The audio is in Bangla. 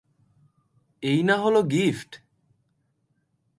এই না হলো গিফট!